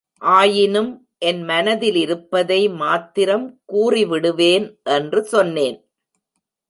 ஆயினும் என் மனத்திலிருப்பதை மாத்திரம் கூறி விடுவேன் என்று சொன்னேன்.